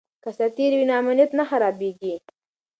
که سرتیری وي نو امنیت نه خرابېږي.